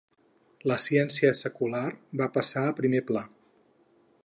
La ciència secular va passar a primer pla.